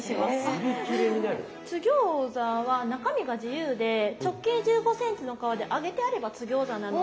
津ぎょうざは中身が自由で直径１５ｃｍの皮で揚げてあれば津ぎょうざなので。